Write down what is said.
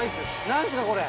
何すかこれ。